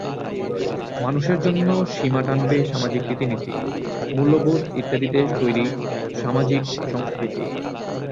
মানুষের জন্য সীমা টানবে সামাজিক রীতিনীতি মূল্যবোধ ইত্যাদিতে তৈরি সামাজিক সংস্কৃতি।